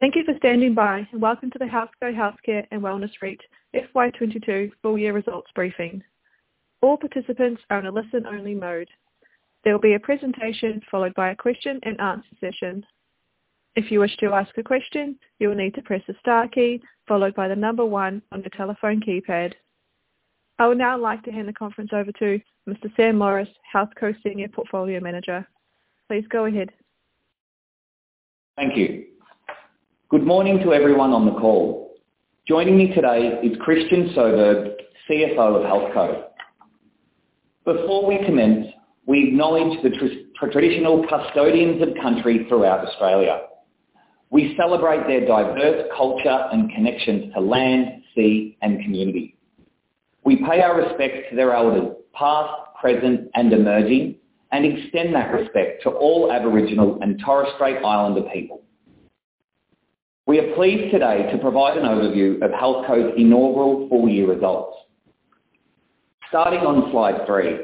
Thank you for standing by, and welcome to the HealthCo Healthcare and Wellness REIT FY22 full year results briefing. All participants are in a listen only mode. There will be a presentation followed by a question and answer session. If you wish to ask a question, you will need to press the star key followed by the number one on the telephone keypad. I would now like to hand the conference over to Mr. Sam Morris, HealthCo Senior Portfolio Manager. Please go ahead. Thank you. Good morning to everyone on the call. Joining me today is Christian Soberg, CFO of HealthCo. Before we commence, we acknowledge the traditional custodians of country throughout Australia. We celebrate their diverse culture and connections to land, sea and community. We pay our respects to their elders, past, present and emerging and extend that respect to all Aboriginal and Torres Strait Islander people. We are pleased today to provide an overview of HealthCo's inaugural full year results. Starting on slide three.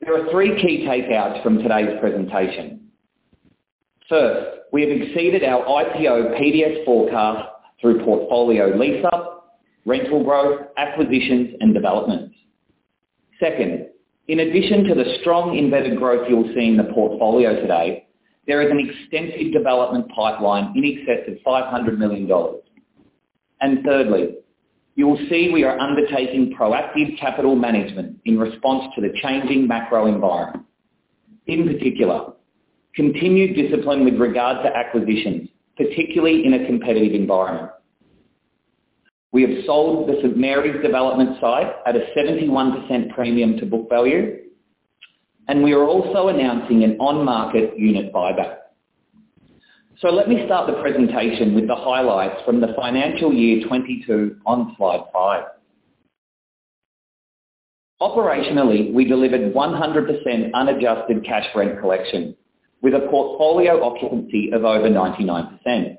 There are three key takeaways from today's presentation. First, we have exceeded our IPO PDS forecast through portfolio lease up, rental growth, acquisitions and developments. Second, in addition to the strong embedded growth you'll see in the portfolio today, there is an extensive development pipeline in excess of 500 million dollars. Thirdly, you will see we are undertaking proactive capital management in response to the changing macro environment. In particular, continued discipline with regard to acquisitions, particularly in a competitive environment. We have sold the St. Mary's development site at a 71% premium to book value and we are also announcing an on market unit buyback. Let me start the presentation with the highlights from the financial year 2022 on slide five. Operationally, we delivered 100% unadjusted cash rent collection with a portfolio occupancy of over 99%,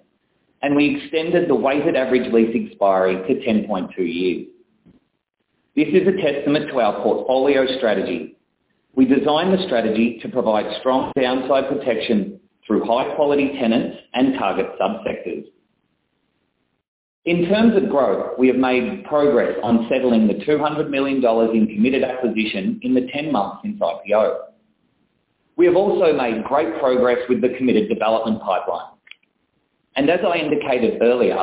and we extended the weighted average lease expiry to 10.2 years. This is a testament to our portfolio strategy. We designed the strategy to provide strong downside protection through high quality tenants and target sub-sectors. In terms of growth, we have made progress on settling the 200 million dollars in committed acquisition in the ten months since IPO. We have also made great progress with the committed development pipeline. As I indicated earlier,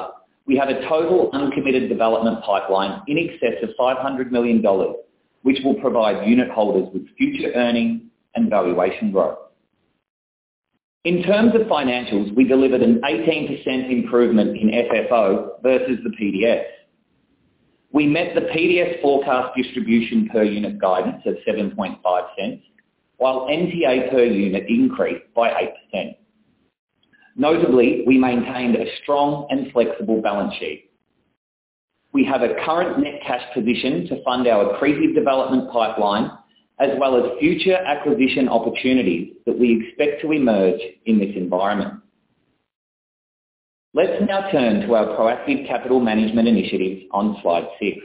we have a total uncommitted development pipeline in excess of 500 million dollars, which will provide unitholders with future earnings and valuation growth. In terms of financials, we delivered an 18% improvement in FFO versus the PDS. We met the PDS forecast distribution per unit guidance of 0.075, while NTA per unit increased by 8%. Notably, we maintained a strong and flexible balance sheet. We have a current net cash position to fund our accretive development pipeline, as well as future acquisition opportunities that we expect to emerge in this environment. Let's now turn to our proactive capital management initiatives on slide six.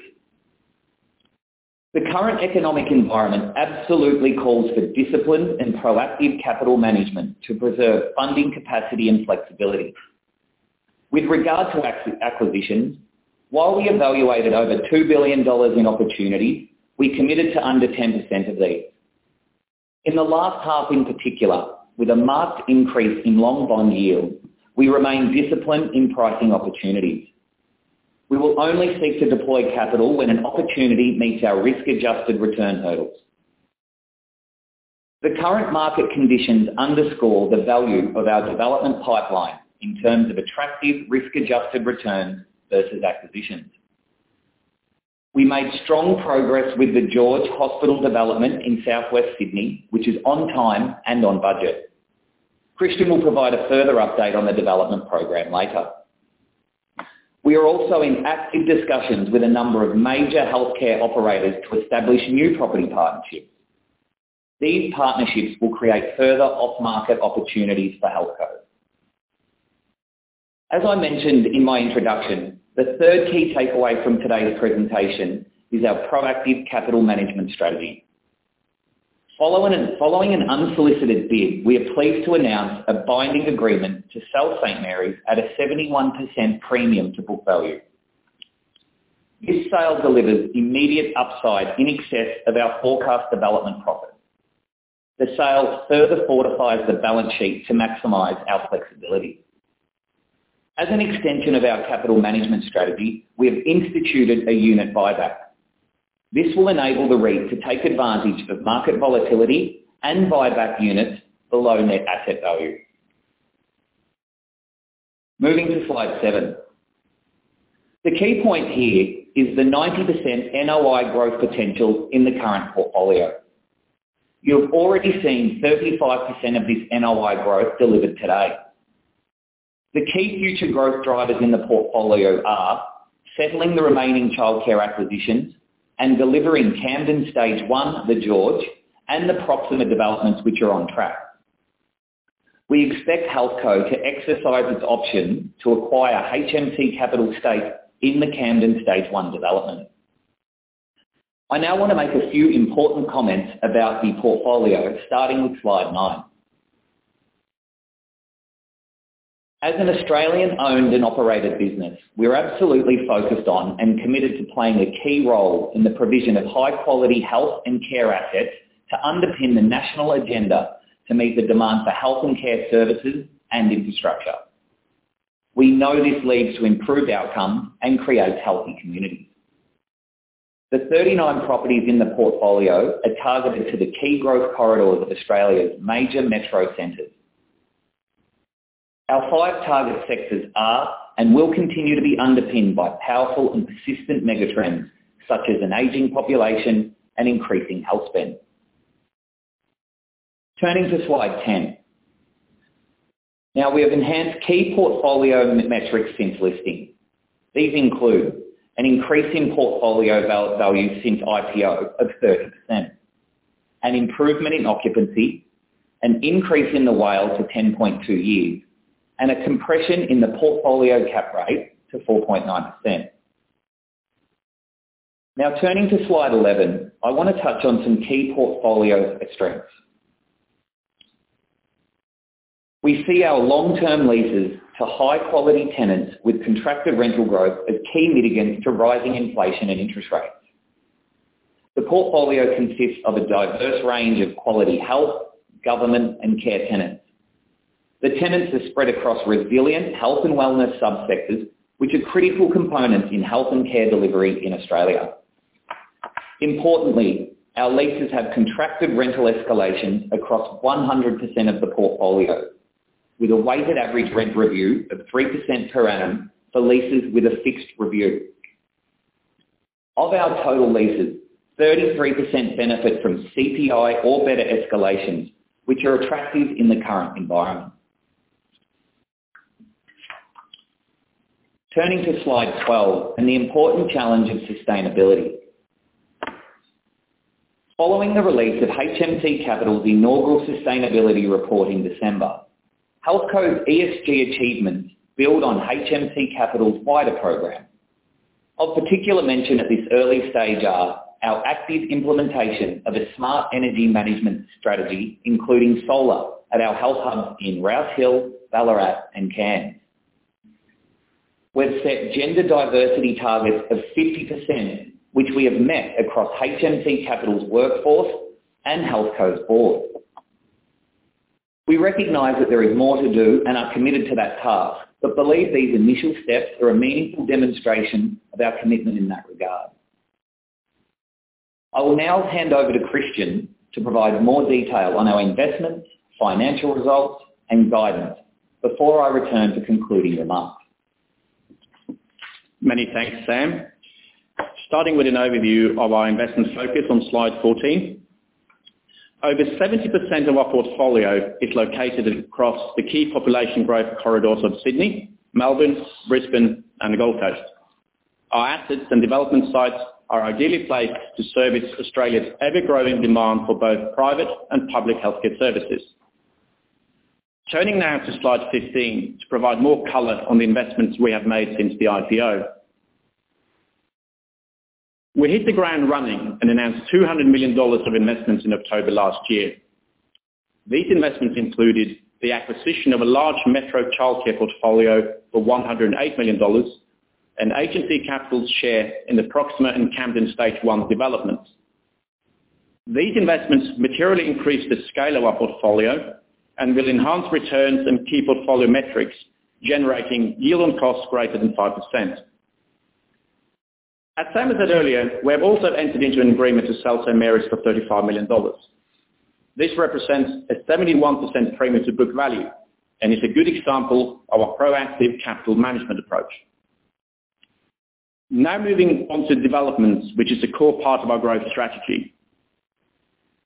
The current economic environment absolutely calls for disciplined and proactive capital management to preserve funding capacity and flexibility. With regard to acquisitions, while we evaluated over 2 billion dollars in opportunities, we committed to under 10% of these. In the last half in particular, with a marked increase in long bond yields, we remain disciplined in pricing opportunities. We will only seek to deploy capital when an opportunity meets our risk adjusted return hurdles. The current market conditions underscore the value of our development pipeline in terms of attractive risk adjusted returns versus acquisitions. We made strong progress with The George hospital development in Southwest Sydney, which is on time and on budget. Christian will provide a further update on the development program later. We are also in active discussions with a number of major healthcare operators to establish new property partnerships. These partnerships will create further off-market opportunities for HealthCo. As I mentioned in my introduction, the third key takeaway from today's presentation is our proactive capital management strategy. Following an unsolicited bid, we are pleased to announce a binding agreement to sell St. Mary's at a 71% premium to book value. This sale delivers immediate upside in excess of our forecast development profit. The sale further fortifies the balance sheet to maximize our flexibility. As an extension of our capital management strategy, we have instituted a unit buyback. This will enable the REIT to take advantage of market volatility and buy back units below net asset value. Moving to slide seven. The key point here is the 90% NOI growth potential in the current portfolio. You've already seen 35% of this NOI growth delivered to date. The key future growth drivers in the portfolio are settling the remaining childcare acquisitions and delivering Camden Stage One, The George and the Proxima developments, which are on track. We expect HealthCo to exercise its option to acquire HMC Capital's stake in the Camden Stage One development. I now wanna make a few important comments about the portfolio, starting with slide nine. As an Australian owned and operated business, we're absolutely focused on and committed to playing a key role in the provision of high quality health and care assets to underpin the national agenda to meet the demand for health and care services and infrastructure. We know this leads to improved outcome and creates healthy communities. The 39 properties in the portfolio are targeted to the key growth corridors of Australia's major metro centers. Our five target sectors are and will continue to be underpinned by powerful and persistent mega trends, such as an aging population and increasing health spend. Turning to slide ten. Now, we have enhanced key portfolio metrics since listing. These include an increase in portfolio value since IPO of 30%, an improvement in occupancy, an increase in the WALE to 10.2 years, and a compression in the portfolio cap rate to 4.9%. Now, turning to slide 11, I wanna touch on some key portfolio strengths. We see our long term leases to high-quality tenants with contracted rental growth as key mitigants to rising inflation and interest rates. The portfolio consists of a diverse range of quality health, government, and care tenants. The tenants are spread across resilient health and wellness sub-sectors, which are critical components in health and care delivery in Australia. Importantly, our leases have contracted rental escalations across 100% of the portfolio with a weighted average rent review of 3% per annum for leases with a fixed review. Of our total leases, 33% benefit from CPI or better escalations, which are attractive in the current environment. Turning to slide 12 and the important challenge of sustainability. Following the release of HMC Capital's inaugural sustainability report in December, HealthCo's ESG achievements build on HMC Capital's wider program. Of particular mention at this early stage are our active implementation of a smart energy management strategy, including solar at our health hub in Rouse Hill, Ballarat and Cairns. We've set gender diversity targets of 50%, which we have met across HMC Capital's workforce and HealthCo's board. We recognize that there is more to do and are committed to that task, but believe these initial steps are a meaningful demonstration of our commitment in that regard. I will now hand over to Christian to provide more detail on our investments, financial results, and guidance before I return to concluding remarks. Many thanks, Sam. Starting with an overview of our investment focus on slide 14. Over 70% of our portfolio is located across the key population growth corridors of Sydney, Melbourne, Brisbane, and the Gold Coast. Our assets and development sites are ideally placed to service Australia's ever-growing demand for both private and public healthcare services. Turning now to slide 15 to provide more color on the investments we have made since the IPO. We hit the ground running and announced 200 million dollars of investments in October last year. These investments included the acquisition of a large metro childcare portfolio for 108 million dollars and HMC Capital's share in the Proxima and Camden Stage One developments. These investments materially increase the scale of our portfolio and will enhance returns and key portfolio metrics, generating yield on costs greater than 5%. As Sam said earlier, we have also entered into an agreement to sell St. Mary's for 35 million dollars. This represents a 71% premium to book value and is a good example of a proactive capital management approach. Now moving on to developments, which is a core part of our growth strategy.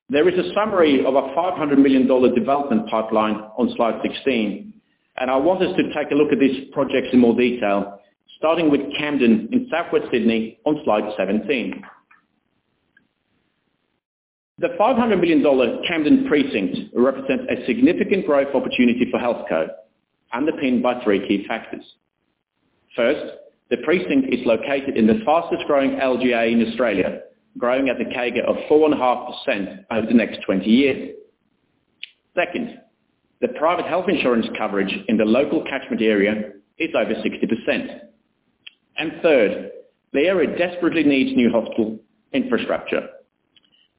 There is a summary of a 500 million dollar development pipeline on slide 16, and I want us to take a look at these projects in more detail, starting with Camden in Southwest Sydney on slide 17. The 500 million dollar Camden Precinct represents a significant growth opportunity for HealthCo, underpinned by three key factors. First, the precinct is located in the fastest growing LGA in Australia, growing at a CAGR of 4.5% over the next 20 years. Second, the private health insurance coverage in the local catchment area is over 60%. Third, the area desperately needs new hospital infrastructure.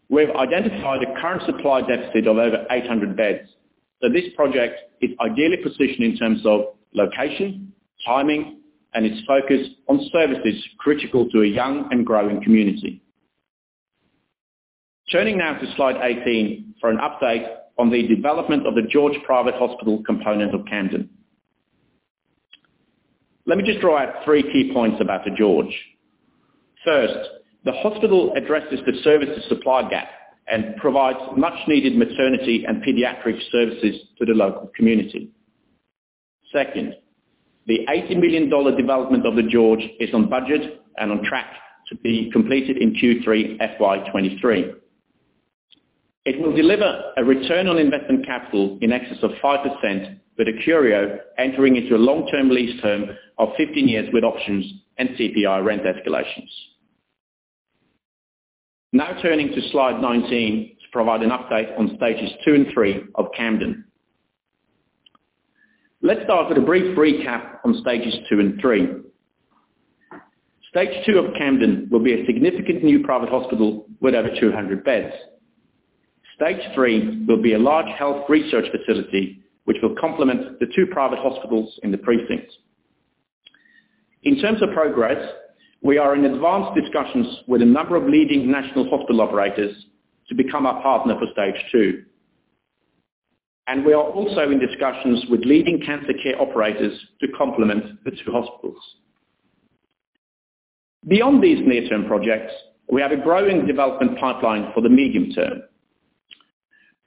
We've identified a current supply deficit of over 800 beds, so this project is ideally positioned in terms of location, timing, and its focus on services critical to a young and growing community. Turning now to slide 18 for an update on the development of The George Private Hospital component of Camden. Let me just draw out three key points about The George. First, the hospital addresses the services supply gap and provides much-needed maternity and pediatric services to the local community. Second, the 80 million dollar development of The George is on budget and on track to be completed in Q3 FY23. It will deliver a return on investment capital in excess of 5%, with Acurio entering into a long term lease term of 15 years with options and CPI rent escalations. Now turning to slide 19 to provide an update on Stages two and three of Camden. Let's start with a brief recap on Stages two and three. Stage two of Camden will be a significant new private hospital with over 200 beds. Stage three will be a large health research facility which will complement the two private hospitals in the precinct. In terms of progress, we are in advanced discussions with a number of leading national hospital operators to become our partner for Stage two. We are also in discussions with leading cancer care operators to complement the two hospitals. Beyond these near term projects, we have a growing development pipeline for the medium term.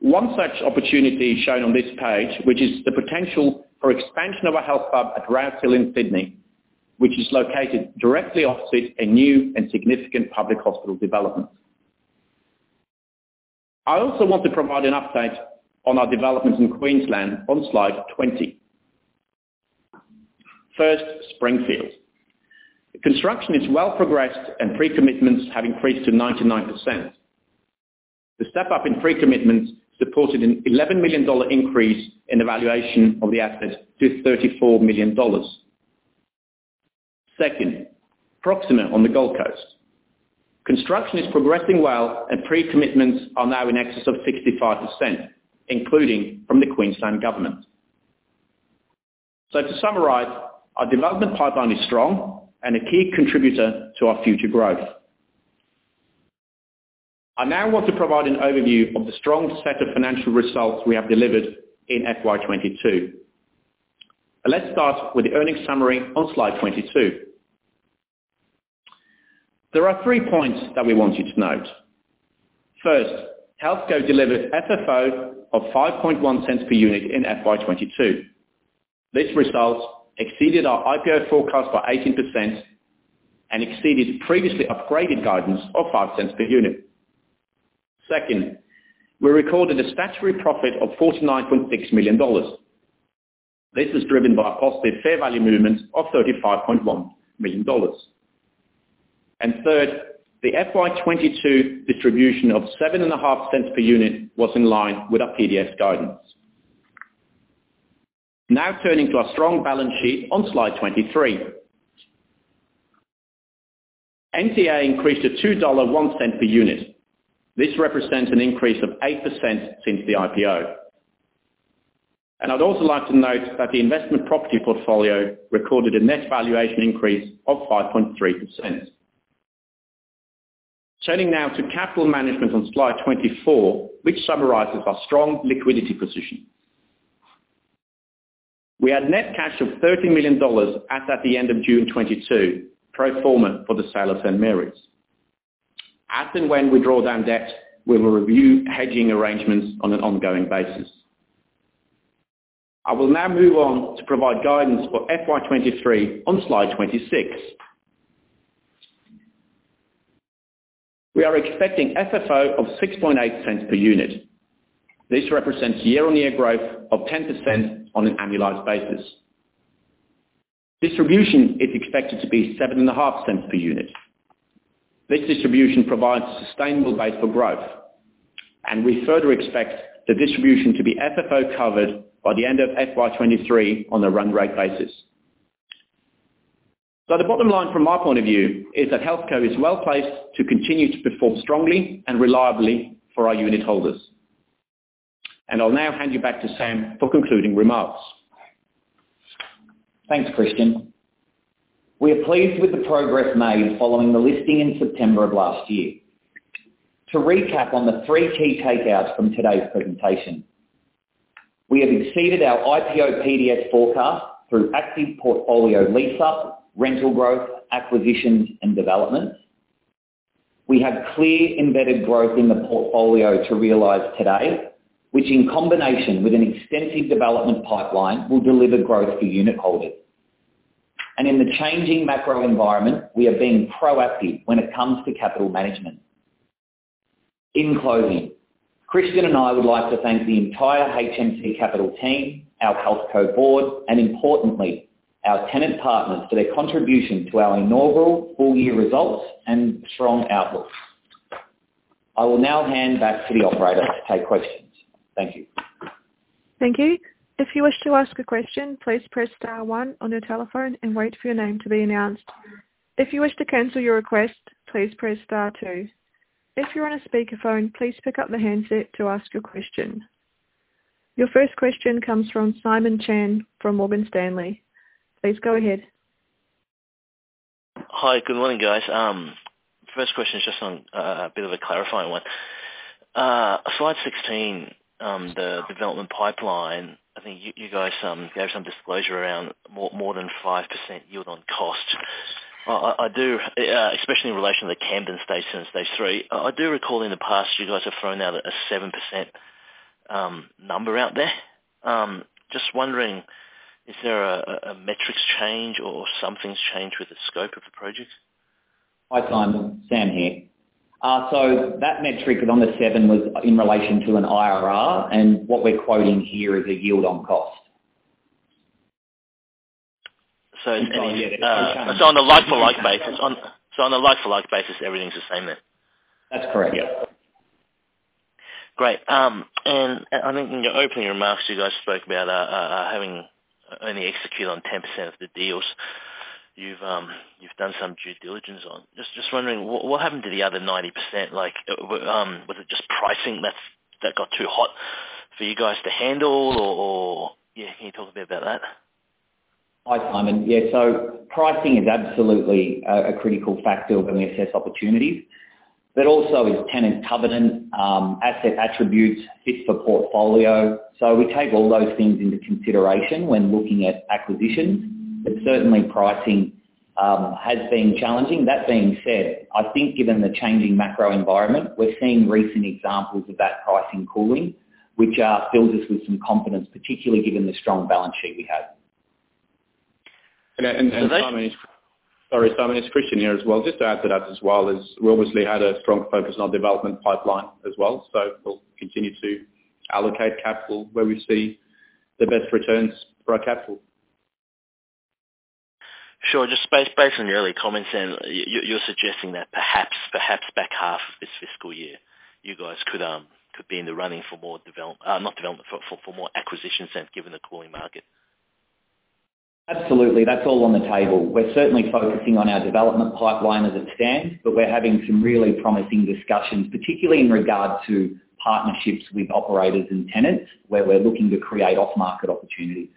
One such opportunity shown on this page, which is the potential for expansion of our health club at Rouse Hill in Sydney, which is located directly opposite a new and significant public hospital development. I also want to provide an update on our developments in Queensland on slide 20. First, Springfield. The construction is well progressed and pre-commitments have increased to 99%. The step-up in pre-commitments supported an 11 million dollar increase in the valuation of the asset to 34 million dollars. Second, Proxima on the Gold Coast. Construction is progressing well, and pre-commitments are now in excess of 65%, including from the Queensland Government. To summarize, our development pipeline is strong and a key contributor to our future growth. I now want to provide an overview of the strong set of financial results we have delivered in FY22. Let's start with the earnings summary on slide 22. There are three points that we want you to note. First, HealthCo delivered FFO of 0.051 per unit in FY22. This result exceeded our IPO forecast by 18% and exceeded previously upgraded guidance of 0.05 per unit. Second, we recorded a statutory profit of 49.6 million dollars. This is driven by a positive fair value movement of 35.1 million dollars. Third, the FY22 distribution of 0.075 per unit was in line with our PDS guidance. Now turning to our strong balance sheet on slide 23. NTA increased to 2.01 dollar per unit. This represents an increase of 8% since the IPO. I'd also like to note that the investment property portfolio recorded a net valuation increase of 5.3%. Turning now to capital management on slide 24, which summarizes our strong liquidity position. We had net cash of 30 million dollars as at the end of June 2022, pro forma for the sale of St. Mary's. As and when we draw down debt, we will review hedging arrangements on an ongoing basis. I will now move on to provide guidance for FY23 on slide 26. We are expecting FFO of 0.068 per unit. This represents year-on-year growth of 10% on an annualized basis. Distribution is expected to be 0.075 per unit. This distribution provides a sustainable base for growth, and we further expect the distribution to be FFO covered by the end of FY23 on a run rate basis. The bottom line from my point of view is that HealthCo is well-placed to continue to perform strongly and reliably for our unitholders. I'll now hand you back to Sam for concluding remarks. Thanks, Christian. We are pleased with the progress made following the listing in September of last year. To recap on the three key takeaways from today's presentation, we have exceeded our IPO PDS forecast through active portfolio lease up, rental growth, acquisitions, and developments. We have clear embedded growth in the portfolio to realize today, which in combination with an extensive development pipeline, will deliver growth for unitholders. In the changing macro environment, we are being proactive when it comes to capital management. In closing, Christian and I would like to thank the entire HMC Capital team, our HealthCo board, and importantly, our tenant partners, for their contribution to our inaugural full-year results and strong outlook. I will now hand back to the operator to take questions. Thank you. Thank you. If you wish to ask a question, please press star one on your telephone and wait for your name to be announced. If you wish to cancel your request, please press star two. If you're on a speakerphone, please pick up the handset to ask your question. Your first question comes from Simon Chan from Morgan Stanley. Please go ahead. Hi. Good morning, guys. First question is just on a bit of a clarifying one. Slide 16, the development pipeline. I think you guys gave some disclosure around more than 5% yield on cost. I do, especially in relation to the Camden Stage and Stage Three. I do recall in the past you guys have thrown out a 7% number out there. Just wondering, is there a metrics change or something's changed with the scope of the projects? Hi, Simon. Sam here. That metric on the seven was in relation to an IRR, and what we're quoting here is a yield on cost. On a like for like basis, everything's the same then? That's correct. Yeah. Great. I think in your opening remarks, you guys spoke about having only executed on 10% of the deals you've done some due diligence on. Just wondering what happened to the other 90%? Like, was it just pricing that got too hot for you guys to handle? Or yeah, can you talk a bit about that? Hi, Simon. Yeah. Pricing is absolutely a critical factor when we assess opportunities, but also is tenant covenant, asset attributes, fit for portfolio. We take all those things into consideration when looking at acquisitions. Certainly pricing has been challenging. That being said, I think given the changing macro environment, we're seeing recent examples of that pricing cooling, which fills us with some confidence, particularly given the strong balance sheet we have. Simon is. Sorry, Simon, it's Christian here as well. Just to add to that as well, is we obviously had a strong focus on development pipeline as well, so we'll continue to allocate capital where we see the best returns for our capital. Sure. Just based on your early comments, and you're suggesting that perhaps back half of this fiscal year, you guys could be in the running for more acquisition sense given the cooling market. Absolutely. That's all on the table. We're certainly focusing on our development pipeline as it stands, but we're having some really promising discussions, particularly in regard to partnerships with operators and tenants where we're looking to create off-market opportunities.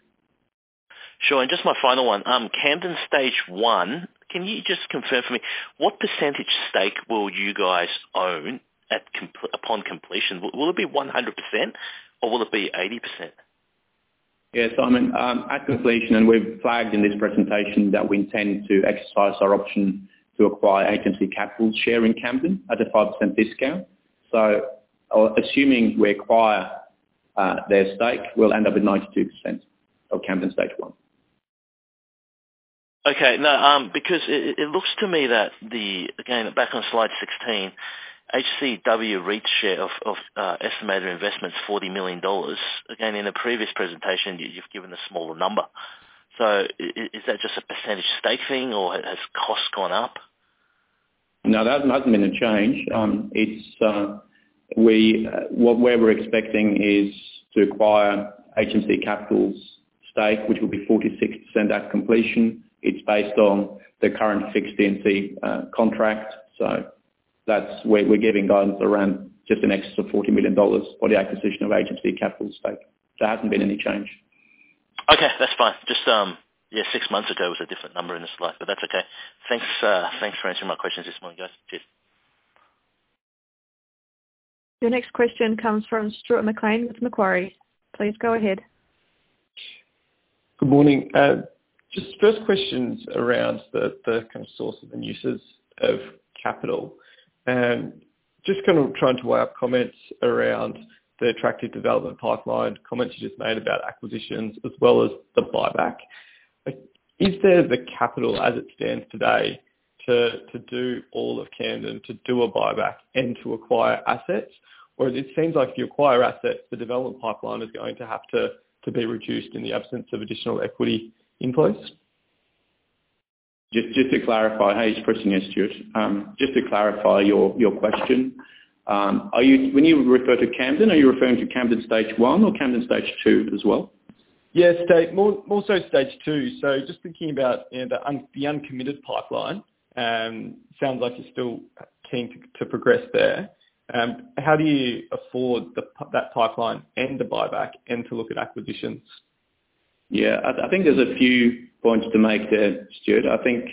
Sure. Just my final one, Camden Stage One, can you just confirm for me, what percentage stake will you guys own upon completion? Will it be 100% or will it be 80%? Simon, at completion, we've flagged in this presentation that we intend to exercise our option to acquire HMC Capital's share in Camden at a 5% discount. Assuming we acquire their stake, we'll end up with 92% of Camden Stage One. Okay. Now, because it looks to me. Again, back on slide 16, HCW REIT's share of estimated investment is AUD 40 million. Again, in a previous presentation, you've given a smaller number. Is that just a percentage stake thing or has cost gone up? No, that hasn't been a change. What we're expecting is to acquire HMC Capital's stake, which will be 46% at completion. It's based on the current fixed D&C contract. That's where we're giving guidance around just in excess of 40 million dollars for the acquisition of HMC Capital stake. There hasn't been any change. Okay. That's fine. Just, yeah, six months ago was a different number in the slide, but that's okay. Thanks, thanks for answering my questions this morning, guys. Cheers. Your next question comes from Stuart McLean with Macquarie. Please go ahead. Good morning. Just first questions around the kind of sources and uses of capital. Just kind of trying to weigh up comments around the attractive development pipeline, comments you just made about acquisitions as well as the buyback. Is there the capital as it stands today to do all of Camden, to do a buyback and to acquire assets? Or it seems like if you acquire assets, the development pipeline is going to have to be reduced in the absence of additional equity inputs. Just to clarify. Hey, it's Christian here, Stuart. Just to clarify your question, when you refer to Camden, are you referring to Camden Stage One or Camden Stage Two as well? Yeah, more so Stage Two. Just thinking about, you know, the uncommitted pipeline, sounds like you're still keen to progress there. How do you afford that pipeline and the buyback and to look at acquisitions? Yeah. I think there's a few points to make there, Stuart. I think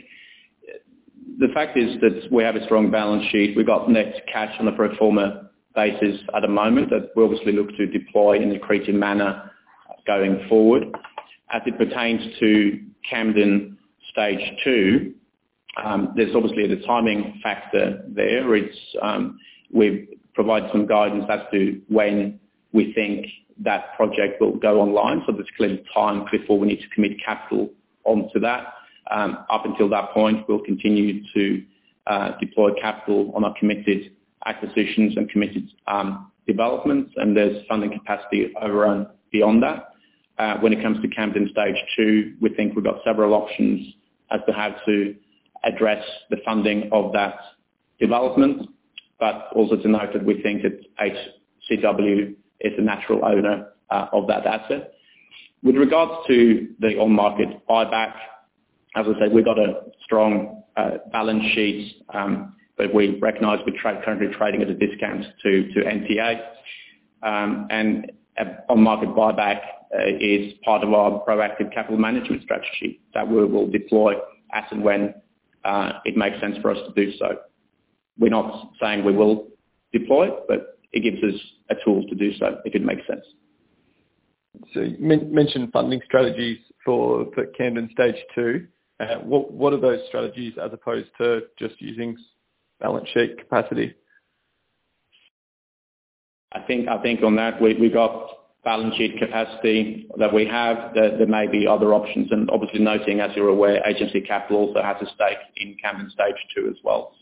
the fact is that we have a strong balance sheet. We've got net cash on a pro forma basis at the moment that we obviously look to deploy in an accretive manner going forward. As it pertains to Camden Stage Two, there's obviously the timing factor there. It's, we've provided some guidance as to when we think that project will go online. There's clearly a time critical we need to commit capital onto that. Up until that point, we'll continue to deploy capital on our committed acquisitions and committed developments, and there's funding capacity over and beyond that. When it comes to Camden Stage Two, we think we've got several options as to how to address the funding of that development, but also to note that we think that HCW is the natural owner of that asset. With regards to the on-market buyback, as I said, we've got a strong balance sheet, but we recognize we currently trading at a discount to NTA. An on market buyback is part of our proactive capital management strategy that we will deploy as and when it makes sense for us to do so. We're not saying we will deploy it, but it gives us a tool to do so if it makes sense. You mentioned funding strategies for Camden Stage Two. What are those strategies as opposed to just using balance sheet capacity? I think on that we got balance sheet capacity that we have that there may be other options. Obviously noting, as you're aware, HMC Capital also has a stake in Camden Stage Two as well.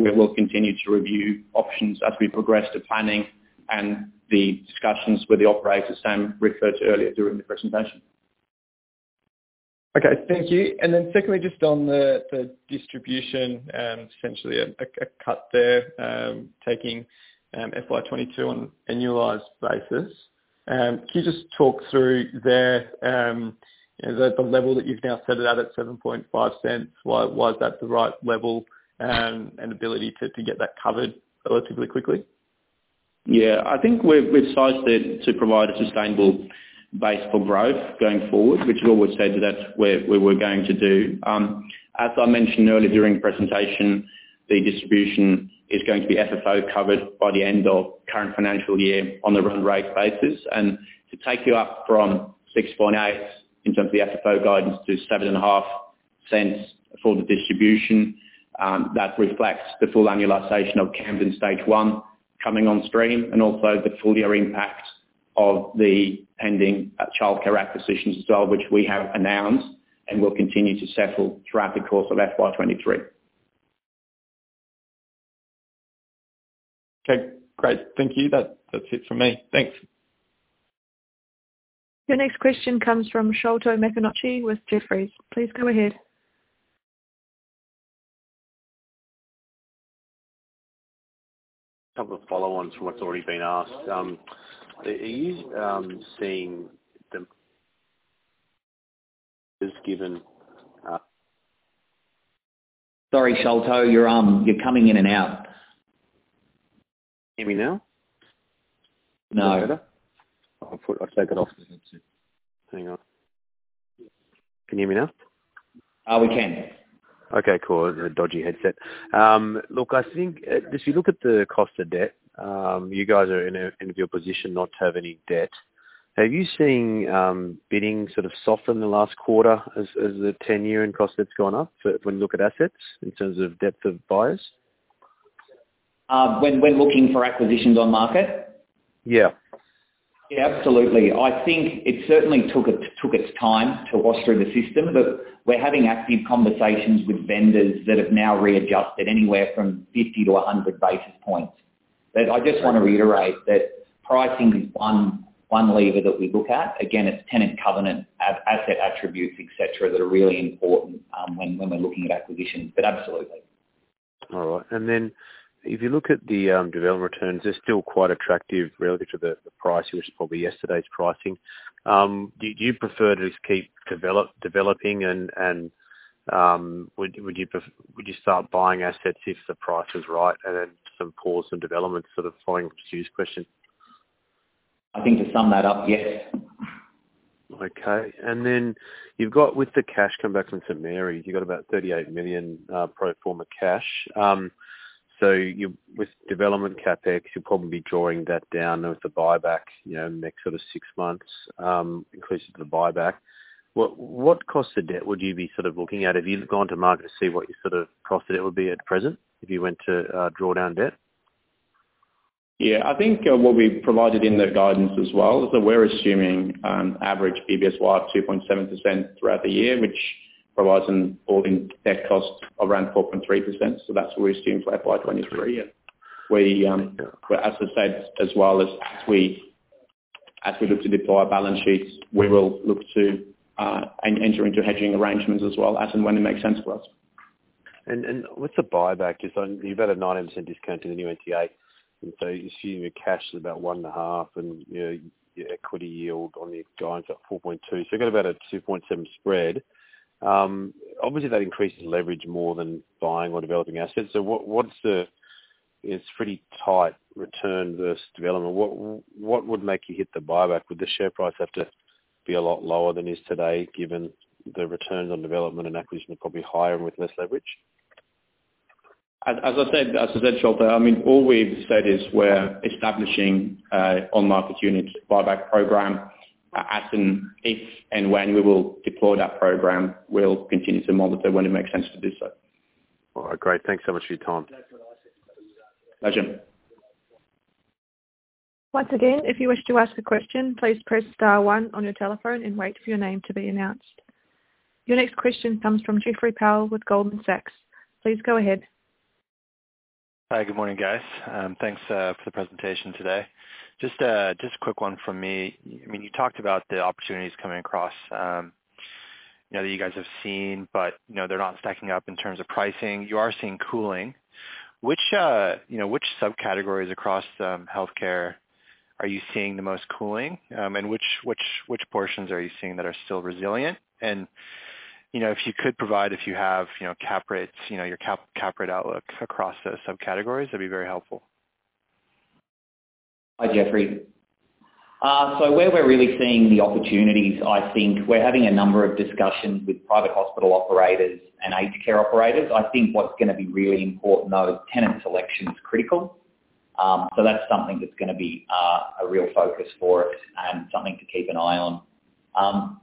We will continue to review options as we progress the planning and the discussions with the operator Sam referred to earlier during the presentation. Okay. Thank you. Secondly, just on the distribution, essentially a cut there, taking FY22 on annualized basis. Can you just talk through there, you know, the level that you've now set it out at 0.075, why is that the right level, and ability to get that covered relatively quickly? Yeah. I think we've sized it to provide a sustainable base for growth going forward, which we've always said that's where we're going to do. As I mentioned earlier during presentation, the distribution is going to be FFO covered by the end of current financial year on the run rate basis. To take you up from 0.068 in terms of the FFO guidance to 0.075 for the distribution, that reflects the full annualization of Camden Stage One coming on stream and also the full year impact of the pending childcare acquisitions as well, which we have announced and will continue to settle throughout the course of FY23. Okay. Great. Thank you. That's it for me. Thanks. Your next question comes from Sholto Macpherson with Jefferies. Please go ahead. Couple of follow ons from what's already been asked. Sorry, Sholto, you're coming in and out. Hear me now? No. Is that better? I'll take it off. Hang on. Can you hear me now? We can. Okay, cool. Dodgy headset. Look, I think if you look at the cost of debt, you guys are in a good position not to have any debt. Have you seen bidding sort of soften in the last quarter as the ten year end cost has gone up when you look at assets in terms of depth of buyers? When looking for acquisitions on market? Yeah. Yeah, absolutely. I think it certainly took its time to wash through the system, but we're having active conversations with vendors that have now readjusted anywhere from 50-100 basis points. But I just want to reiterate that pricing is one lever that we look at. Again, it's tenant covenant as asset attributes, et cetera, that are really important, when we're looking at acquisitions, but absolutely. All right. If you look at the development returns, they're still quite attractive relative to the price, which is probably yesterday's pricing. Do you prefer to just keep developing and would you prefer to start buying assets if the price is right, and then sort of pause some developments for the following, which is Hugh's question. I think to sum that up, yes. Okay. You've got with the cash come back from St. Mary's, you've got about 38 million pro forma cash. So with development CapEx, you'll probably be drawing that down with the buyback, you know, next sort of six months, increases to the buyback. What cost of debt would you be sort of looking at? Have you gone to market to see what your sort of cost of debt would be at present if you went to draw down debt? Yeah. I think what we provided in the guidance as well is that we're assuming average BBSY of 2.7% throughout the year, which provides an all in debt cost of around 4.3%. That's what we're assuming for FY23. Yeah. We, as I said, as well as we look to deploy our balance sheets, we will look to enter into hedging arrangements as well as and when it makes sense for us. With the buyback, just on, you've had a 19% discount to the new NTA, assuming your cash is about 1.5, you know, your equity yield on the guidance at 4.2. You've got about a 2.7 spread. Obviously that increases leverage more than buying or developing assets. What's the. It's pretty tight return versus development. What would make you hit the buyback? Would the share price have to be a lot lower than it is today, given the returns on development and acquisition are probably higher and with less leverage? As I said, Sholto, I mean, all we've said is we're establishing an on market units buyback program as and if and when we will deploy that program. We'll continue to monitor when it makes sense to do so. All right. Great. Thanks so much for your time. Pleasure. Once again, if you wish to ask a question, please press star one on your telephone and wait for your name to be announced. Your next question comes from Jeffrey Pow with Goldman Sachs. Please go ahead. Hi. Good morning, guys. Thanks for the presentation today. Just a quick one from me. I mean, you talked about the opportunities coming across, you know, that you guys have seen, but, you know, they're not stacking up in terms of pricing. You are seeing cooling. Which, you know, which subcategories across healthcare are you seeing the most cooling? And which portions are you seeing that are still resilient? If you could provide, if you have, you know, cap rates, you know, your cap rate outlook across those subcategories, that'd be very helpful. Hi, Jeffrey. Where we're really seeing the opportunities, I think we're having a number of discussions with private hospital operators and aged care operators. I think what's gonna be really important, though, is tenant selection is critical. That's something that's gonna be a real focus for us and something to keep an eye on.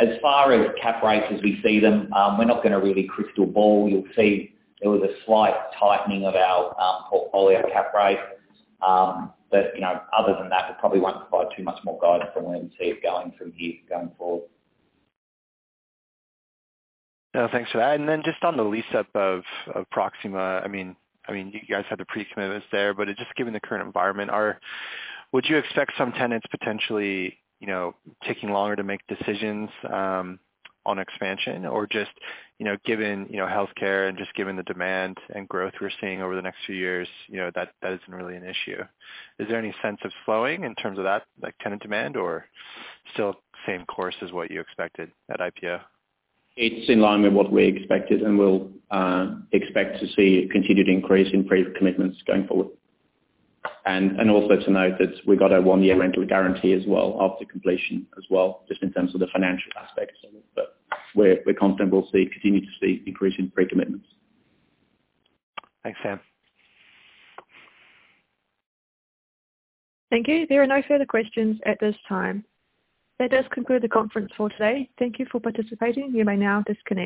As far as cap rates as we see them, we're not gonna really crystal ball. You'll see there was a slight tightening of our portfolio cap rates. You know, other than that, we probably won't provide too much more guidance on when to see it going from here going forward. No, thanks for that. Just on the lease up of Proxima, I mean, you guys had the pre-commitments there, but just given the current environment, would you expect some tenants potentially, you know, taking longer to make decisions on expansion? Or just, you know, given, you know, healthcare and just given the demand and growth we're seeing over the next few years, you know, that isn't really an issue. Is there any sense of slowing in terms of that, like, tenant demand or still same course as what you expected at IPO? It's in line with what we expected, and we'll expect to see a continued increase in pre-commitments going forward. Also to note that we got a one year rental guarantee as well after completion as well, just in terms of the financial aspects. We're confident we'll see continue to see increase in pre-commitments. Thanks, Sam. Thank you. There are no further questions at this time. That does conclude the conference for today. Thank you for participating. You may now disconnect.